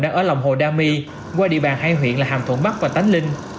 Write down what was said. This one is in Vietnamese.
đang ở lòng hồ đa my qua địa bàn hai huyện là hàm thuận bắc và tánh linh